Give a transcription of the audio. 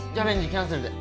キャンセルで。